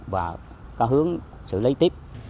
và có hướng xử lý tiếp